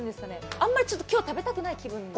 あんまり今日は食べたくない気分？